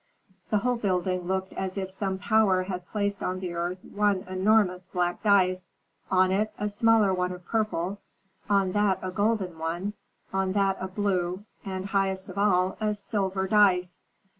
The whole building looked as if some power had placed on the earth one enormous black dice, on it a smaller one of purple, on that a golden one, on that a blue, and, highest of all, a silver dice.